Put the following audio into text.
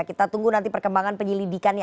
kita tunggu nanti perkembangan penyelidikannya